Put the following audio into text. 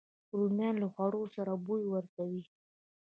رومیان له خوړو سره بوی ورکوي